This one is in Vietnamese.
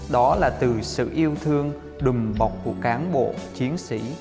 đó là từ sự yêu thương đùm bọc của cán bộ chiến sĩ